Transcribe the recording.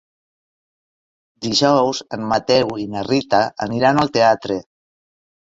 Dijous en Mateu i na Rita aniran al teatre.